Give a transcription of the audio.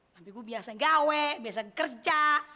tapi gua biasa gawe biasa kerja